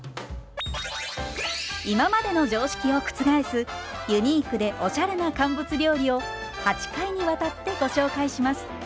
今までの常識を覆すユニークでおしゃれな乾物料理を８回にわたってご紹介します。